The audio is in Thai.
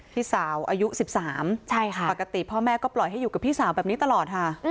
พี่สาวอายุ๑๓ปกติพ่อแม่ก็ปล่อยให้อยู่กับพี่สาวแบบนี้ตลอดค่ะ